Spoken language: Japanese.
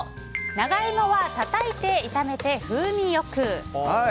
長イモは叩いて炒めて風味よく！